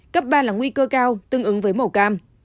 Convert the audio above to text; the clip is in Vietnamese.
cấp ba là nguy cơ cao tương ứng với màu cam